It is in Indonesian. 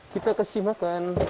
kita kasih makan